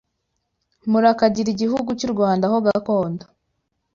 murakagira igihugu cy’u Rwanda ho gakondo